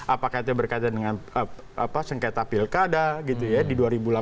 apakah itu berkaitan dengan sengketa pilkada gitu ya di dua ribu delapan belas